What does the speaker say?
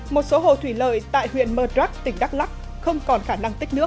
một số hồ thủy lợi tại huyện mơ đắc tỉnh đắk lắc không còn khả năng tích nước